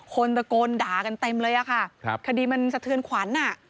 คนตะโกนด่ากันเต็มเลยอะค่ะคดีมันสะเทือนขวัญอ่ะ